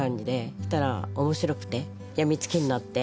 そしたら面白くて病みつきになって。